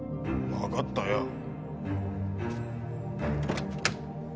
わかったよ。